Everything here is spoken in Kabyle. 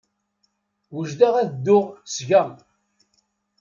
Wejdeɣ ad dduɣ seg-a.